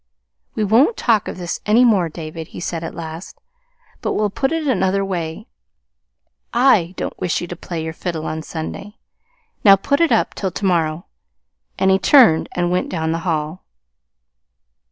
"We won't talk of this any more, David," he said at last; "but we'll put it another way I don't wish you to play your fiddle on Sunday. Now, put it up till to morrow." And he turned and went down the hall.